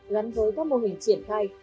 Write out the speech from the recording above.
gắn với các mô hình triển khai